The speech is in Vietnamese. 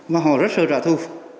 mà họ rất sợ trả thù